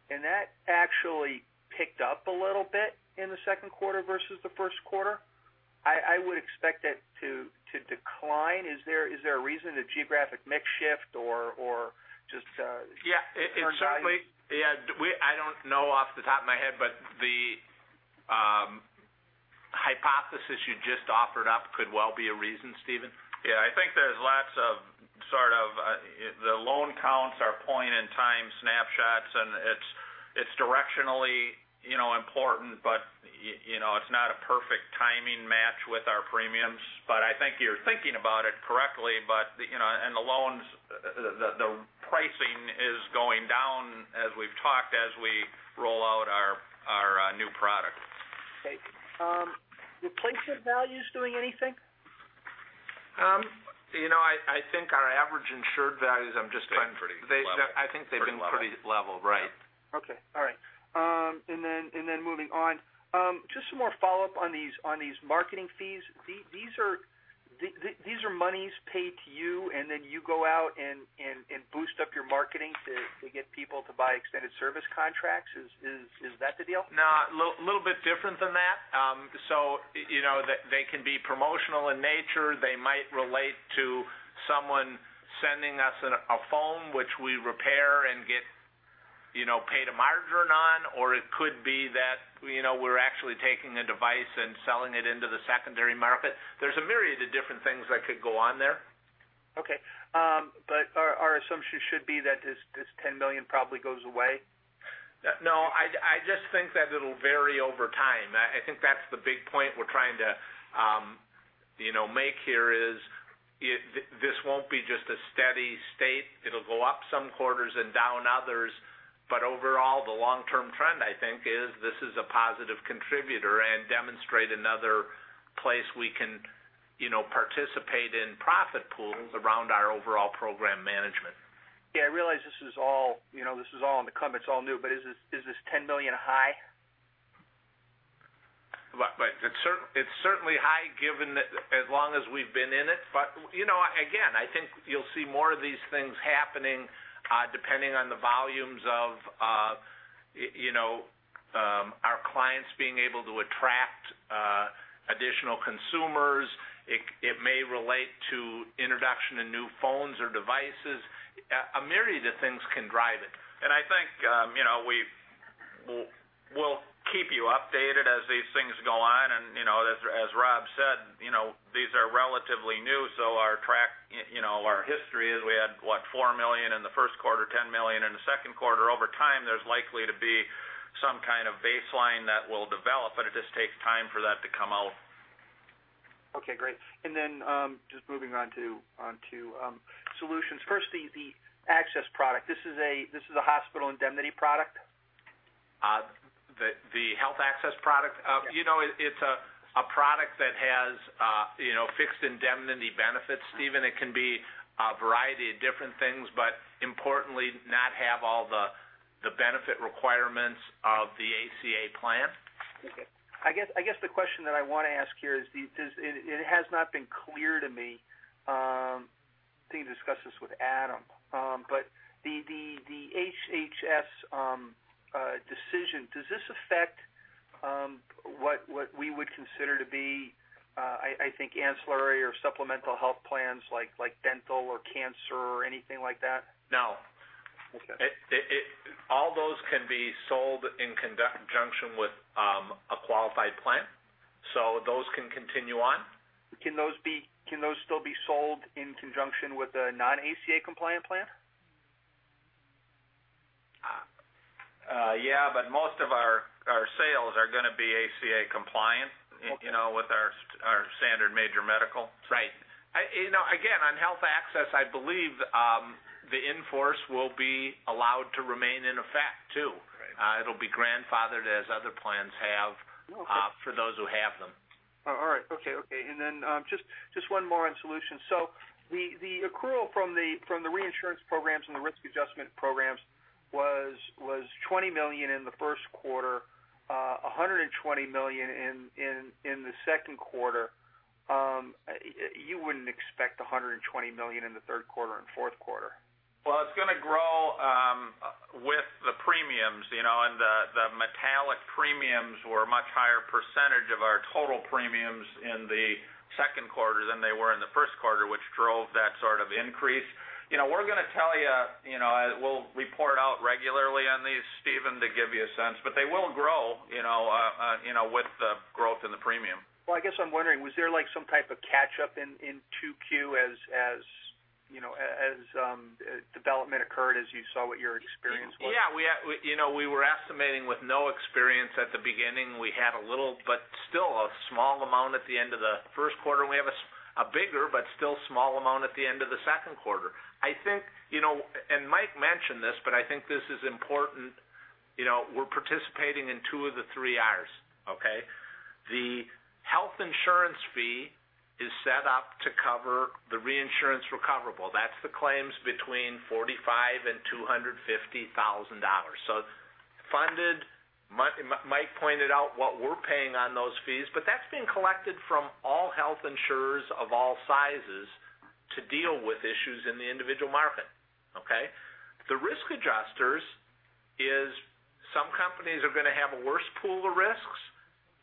J: That actually picked up a little bit in the second quarter versus the first quarter. I would expect that to decline. Is there a reason, the geographic mix shift or just?
F: Yeah. Certainly. I don't know off the top of my head, but the hypothesis you just offered up could well be a reason, Steven.
D: Yeah, I think there's lots of sort of, the loan counts are point-in-time snapshots, and it's directionally important, but it's not a perfect timing match with our premiums. I think you're thinking about it correctly. The loans, the pricing is going down as we've talked, as we roll out our new product.
J: Okay. Replacement values doing anything?
F: I think our average insured values.
D: Been pretty level
F: I think they've been pretty level. Right.
J: Okay. All right. Moving on. Just some more follow-up on these marketing fees. These are monies paid to you, and then you go out and boost up your marketing to get people to buy extended service contracts? Is that the deal?
C: No, a little bit different than that. They can be promotional in nature. They might relate to someone sending us a phone which we repair and get paid a margin on, or it could be that we're actually taking a device and selling it into the secondary market. There's a myriad of different things that could go on there.
J: Okay. Our assumption should be that this $10 million probably goes away?
D: No, I just think that it'll vary over time. I think that's the big point we're trying to make here is, this won't be just a steady state. It'll go up some quarters and down others, overall, the long-term trend, I think, is this is a positive contributor and demonstrate another place we can participate in profit pools around our overall program management.
J: Yeah, I realize this is all in the coming, it's all new. Is this $10 million high?
D: It's certainly high given as long as we've been in it. Again, I think you'll see more of these things happening, depending on the volumes of our clients being able to attract additional consumers. It may relate to introduction of new phones or devices. A myriad of things can drive it. I think we'll keep you updated as these things go on, and as Rob said, these are relatively new. Our history is we had, what, $4 million in the first quarter, $10 million in the second quarter. Over time, there's likely to be some kind of baseline that will develop, but it just takes time for that to come out.
J: Okay, great. Then, just moving on to Solutions. Firstly, the Access product. This is a hospital indemnity product?
C: The Health Access product?
J: Yes.
C: It's a product that has fixed indemnity benefits, Steven. It can be a variety of different things, but importantly, not have all the benefit requirements of the ACA plan.
J: Okay. I guess the question that I want to ask here is, it has not been clear to me, I think I discussed this with Adam. The HHS decision, does this affect what we would consider to be, I think ancillary or supplemental Health plans like dental or cancer or anything like that?
C: No.
J: Okay.
C: All those can be sold in conjunction with a qualified plan. Those can continue on.
J: Can those still be sold in conjunction with a non-ACA compliant plan?
C: Yeah, most of our sales are going to be ACA compliant-
J: Okay
C: with our standard major medical.
J: Right.
C: Again, on Health Access, I believe the in-force will be allowed to remain in effect too.
J: Right.
C: It'll be grandfathered as other plans have-
J: Okay
C: for those who have them.
J: All right. Okay. Just one more on Solutions. The accrual from the reinsurance programs and the risk adjustment programs was $20 million in the first quarter, $120 million in the second quarter. You wouldn't expect $120 million in the third quarter and fourth quarter?
D: Well, it's going to grow with the premiums. The metallic premiums were a much higher % of our total premiums in the second quarter than they were in the first quarter, which drove that sort of increase. We're going to tell you, we'll report out regularly on these, Steven, to give you a sense. They will grow with the growth in the premium.
J: Well, I guess I'm wondering, was there some type of catch-up in 2Q as development occurred, as you saw what your experience was?
C: Yeah. We were estimating with no experience at the beginning. We had a little, but still a small amount at the end of the first quarter, and we have a bigger but still small amount at the end of the second quarter. Mike mentioned this, but I think this is important. We're participating in two of the Three Rs. Okay? The Health insurance fee is set up to cover the reinsurance recoverable. That's the claims between 45 and $250,000. Funded, Mike pointed out what we're paying on those fees, but that's being collected from all Health insurers of all sizes to deal with issues in the individual market. Okay? The risk adjusters is some companies are going to have a worse pool of risks,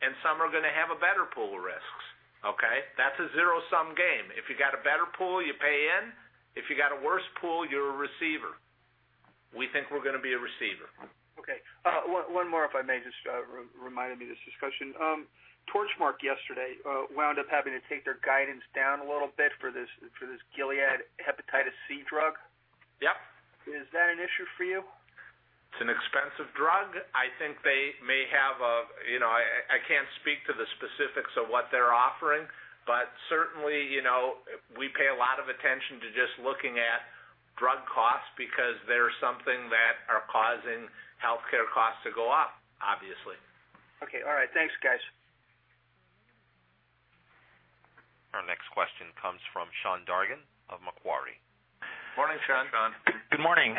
C: and some are going to have a better pool of risks. Okay? That's a zero-sum game. If you got a better pool, you pay in. If you got a worse pool, you're a receiver. We think we're going to be a receiver.
J: Okay. One more, if I may, just reminded me of this discussion. Torchmark yesterday wound up having to take their guidance down a little bit for this Gilead hepatitis C drug.
C: Yep.
J: Is that an issue for you?
C: It's an expensive drug. I can't speak to the specifics of what they're offering, but certainly, we pay a lot of attention to just looking at drug costs because they're something that are causing healthcare costs to go up, obviously.
J: Okay. All right. Thanks, guys.
A: Our next question comes from Sean Dargan of Macquarie.
C: Morning, Sean.
F: Morning, Sean.
K: Good morning.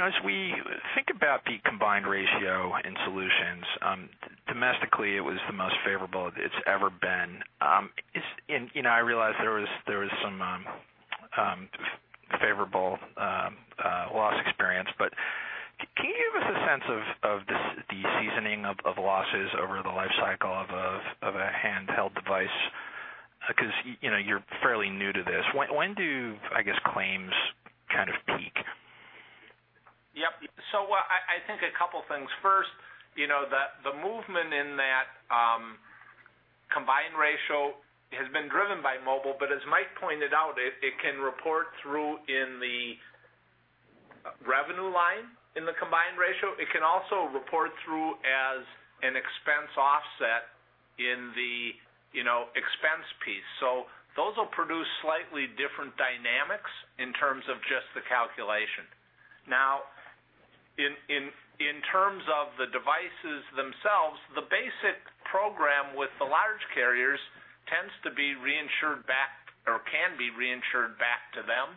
K: As we think about the combined ratio in Solutions, domestically, it was the most favorable it's ever been. I realize there was some favorable loss experience. Can you give us a sense of the seasoning of losses over the life cycle of a handheld device? Because you're fairly new to this. When do claims kind of peak?
C: Yep. I think a couple things. First, the movement in that combined ratio has been driven by mobile. As Mike pointed out, it can report through in the revenue line in the combined ratio. It can also report through as an expense offset in the expense piece. Those will produce slightly different dynamics in terms of just the calculation. Now, in terms of the devices themselves, the basic program with the large carriers tends to be reinsured back or can be reinsured back to them.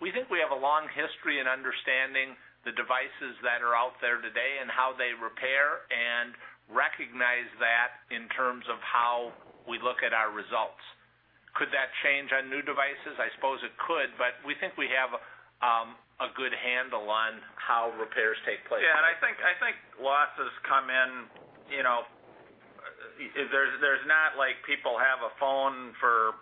C: We think we have a long history in understanding the devices that are out there today and how they repair and recognize that in terms of how we look at our results. Could that change on new devices? I suppose it could. We think we have a good handle on how repairs take place.
D: Yeah. I think losses come in, there's not like people have a phone for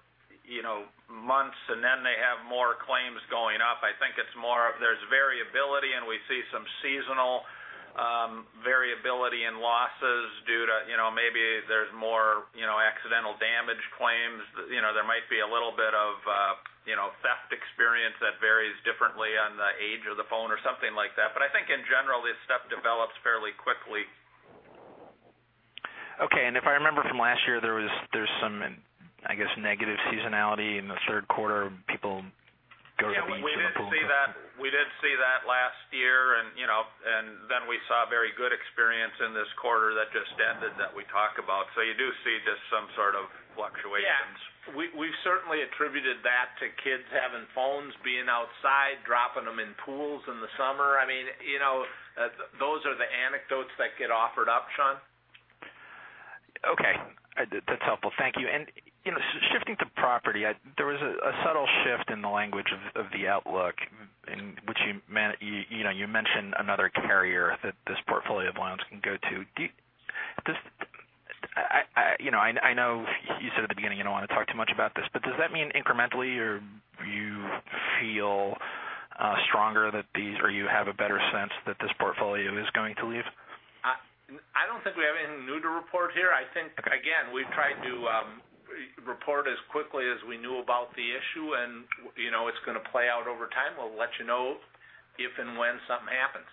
D: months and then they have more claims going up. I think it's more of there's variability and we see some seasonal variability in losses due to maybe there's more accidental damage claims. There might be a little bit of theft experience that varies differently on the age of the phone or something like that. I think in general, this stuff develops fairly quickly.
K: If I remember from last year, there's some, I guess, negative seasonality in the third quarter. People go to the beach or the pool.
D: Yeah, we did see that last year we saw very good experience in this quarter that just ended that we talked about. You do see just some sort of fluctuations.
C: Yeah. We've certainly attributed that to kids having phones, being outside, dropping them in pools in the summer. Those are the anecdotes that get offered up, Sean.
K: Okay. That's helpful. Thank you. Shifting to property, there was a subtle shift in the language of the outlook in which you mentioned another carrier that this portfolio of loans can go to. I know you said at the beginning you don't want to talk too much about this, does that mean incrementally, or you feel stronger that these, or you have a better sense that this portfolio is going to leave?
C: I don't think we have anything new to report here. I think, again, we've tried to report as quickly as we knew about the issue, and it's going to play out over time. We'll let you know if and when something happens.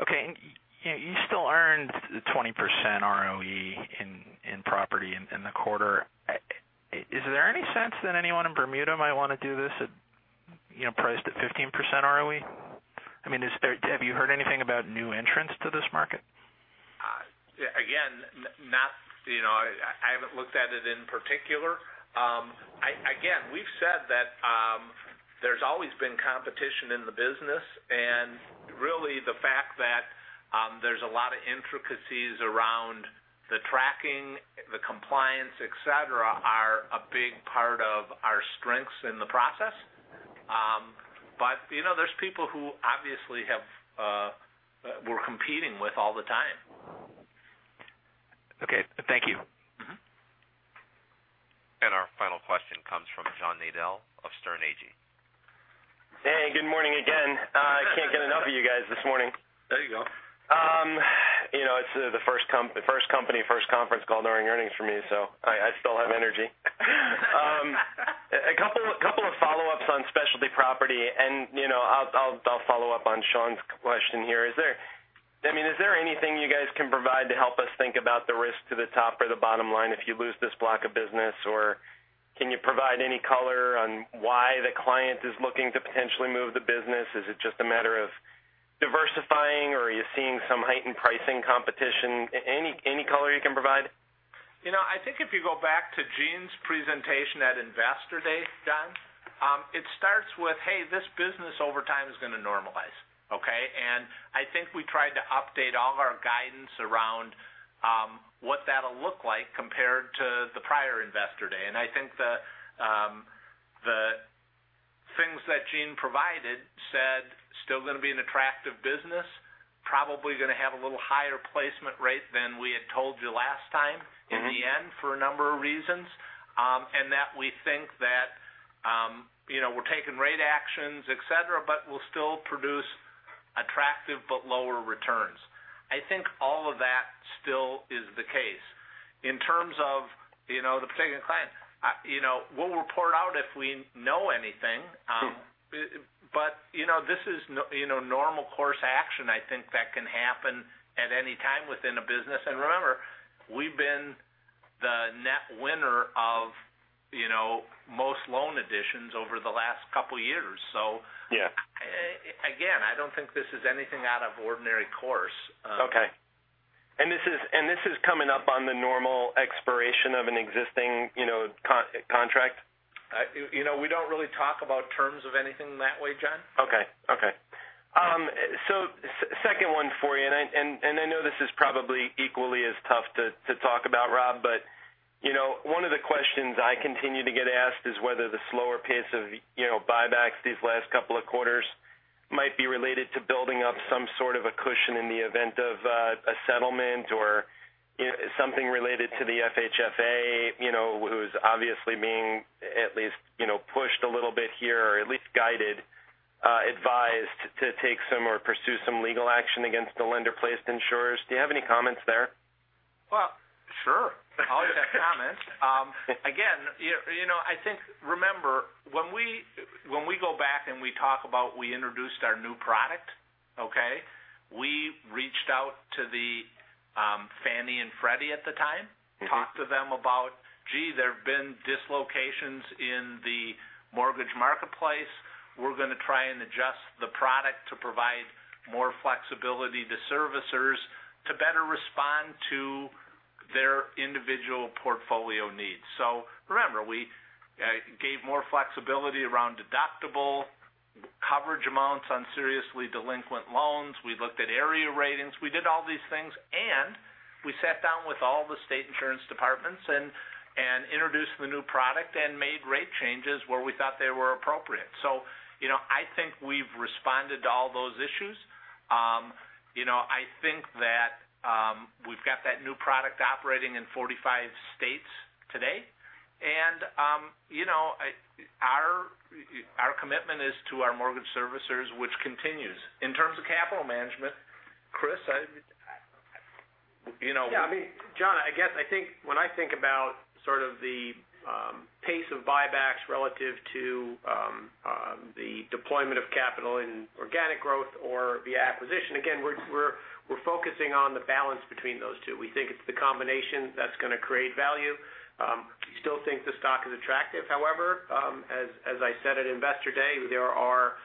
K: Okay. You still earned 20% ROE in property in the quarter. Is there any sense that anyone in Bermuda might want to do this at priced at 15% ROE? Have you heard anything about new entrants to this market?
C: Again, I haven't looked at it in particular. Again, we've said that there's always been competition in the business, and really the fact that there's a lot of intricacies around the tracking, the compliance, et cetera, are a big part of our strengths in the process. There's people who obviously we're competing with all the time.
K: Okay. Thank you.
A: Our final question comes from John Nadel of Sterne Agee.
H: Hey, good morning again. I can't get enough of you guys this morning.
C: There you go.
H: It's the first company, first conference call during earnings for me, so I still have energy. A couple of follow-ups on Specialty Property, and I'll follow up on Sean's question here. Is there anything you guys can provide to help us think about the risk to the top or the bottom line if you lose this block of business? Can you provide any color on why the client is looking to potentially move the business? Is it just a matter of diversifying, or are you seeing some heightened pricing competition? Any color you can provide?
C: I think if you go back to Gene's presentation at Investor Day, John, it starts with, hey, this business over time is going to normalize. Okay? I think we tried to update all of our guidance around what that'll look like compared to the prior Investor Day. I think the things that Gene provided said, still going to be an attractive business. Probably going to have a little higher placement rate than we had told you last time- in the end for a number of reasons. That we think that we're taking rate actions, et cetera, but we'll still produce attractive but lower returns. I think all of that still is the case. In terms of the particular client, we'll report out if we know anything.
H: Sure.
C: This is normal course action, I think, that can happen at any time within a business. Remember, we've been the net winner of most loan additions over the last couple years, so-
H: Yeah
C: again, I don't think this is anything out of ordinary course.
H: Okay. This is coming up on the normal expiration of an existing contract?
C: We don't really talk about terms of anything that way, John.
H: Okay. Second one for you, and I know this is probably equally as tough to talk about, Rob, but one of the questions I continue to get asked is whether the slower pace of buybacks these last couple of quarters might be related to building up some sort of a cushion in the event of a settlement or something related to the FHFA, who's obviously being at least pushed a little bit here, or at least guided, advised to take some or pursue some legal action against the lender-placed insurers. Do you have any comments there?
C: Well, sure. I'll take comments. Again, I think, remember when we go back, we introduced our new product, okay? We reached out to the Fannie and Freddie at the time. Talked to them about, gee, there's been dislocations in the mortgage marketplace. We're going to try and adjust the product to provide more flexibility to servicers to better respond to their individual portfolio needs. Remember, we gave more flexibility around deductible coverage amounts on seriously delinquent loans. We looked at area ratings. We did all these things, and we sat down with all the state insurance departments and introduced the new product and made rate changes where we thought they were appropriate. I think we've responded to all those issues. I think that we've got that new product operating in 45 states today, and our commitment is to our mortgage servicers, which continues. In terms of capital management, Chris, I
F: Yeah, I mean, John, I guess I think when I think about sort of the pace of buybacks relative to the deployment of capital in organic growth or via acquisition, again, we're focusing on the balance between those two. We think it's the combination that's going to create value. We still think the stock is attractive. However, as I said at Investor Day, there are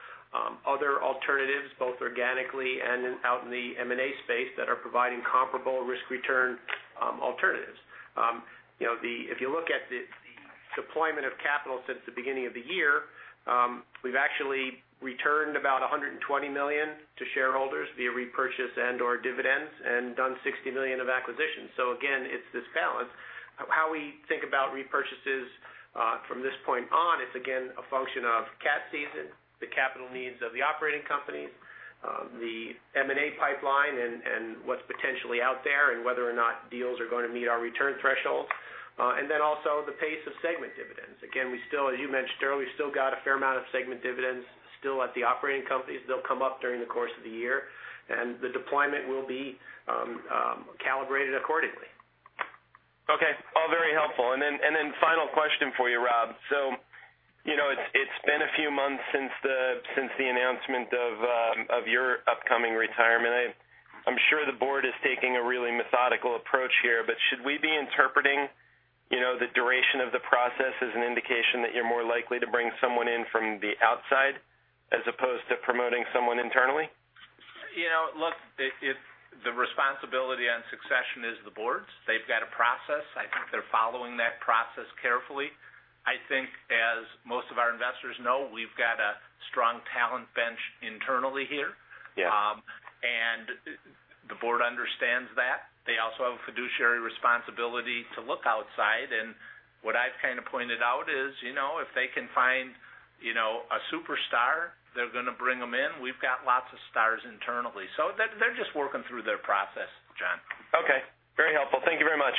F: other alternatives, both organically and out in the M&A space that are providing comparable risk-return alternatives. If you look at the deployment of capital since the beginning of the year, we've actually returned about $120 million to shareholders via repurchase and/or dividends and done $60 million of acquisitions. Again, it's this balance. How we think about repurchases from this point on, it's again, a function of CAT season, the capital needs of the operating companies, the M&A pipeline, and what's potentially out there and whether or not deals are going to meet our return threshold. Also the pace of segment dividends. Again, as you mentioned earlier, we still got a fair amount of segment dividends still at the operating companies. They'll come up during the course of the year, and the deployment will be calibrated accordingly.
H: Okay. All very helpful. Final question for you, Rob. It's been a few months since the announcement of your upcoming retirement. I'm sure the board is taking a really methodical approach here, but should we be interpreting the duration of the process as an indication that you're more likely to bring someone in from the outside as opposed to promoting someone internally?
C: Look, the responsibility on succession is the board's. They've got a process. I think they're following that process carefully. I think as most of our investors know, we've got a strong talent bench internally here.
H: Yeah.
C: The board understands that. They also have a fiduciary responsibility to look outside, and what I've kind of pointed out is if they can find a superstar, they're going to bring them in. We've got lots of stars internally, they're just working through their process, John.
H: Okay. Very helpful. Thank you very much.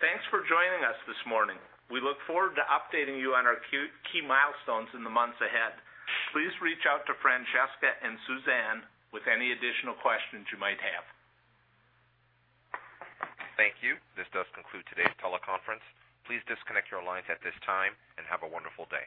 C: Thanks for joining us this morning. We look forward to updating you on our key milestones in the months ahead. Please reach out to Francesca and Suzanne with any additional questions you might have.
A: Thank you. This does conclude today's teleconference. Please disconnect your lines at this time and have a wonderful day.